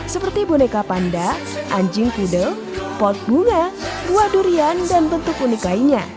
seperti boneka panda anjing kidel pot bunga buah durian dan bentuk unik lainnya